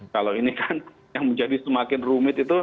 kalau ini kan yang menjadi semakin rumit itu